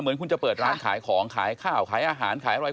เหมือนคุณจะเปิดร้านขายของขายข้าวขายอาหารขายอะไร